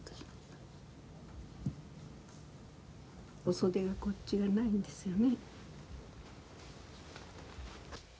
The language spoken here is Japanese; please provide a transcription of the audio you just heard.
お袖がこっち側ないんですよね。